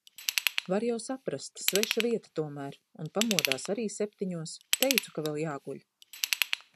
Var jau saprast, sveša vieta tomēr. Un pamodās arī septiņos, teicu, ka vēl jāguļ.